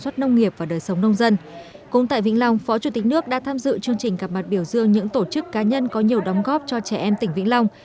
cũng tại vĩnh long phó chủ tịch nước đã tham dự chương trình gặp mặt biểu dương những tổ chức cá nhân có nhiều đóng góp cho trẻ em tỉnh vĩnh long